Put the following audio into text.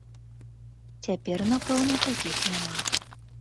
Цяпер, напэўна, такіх няма.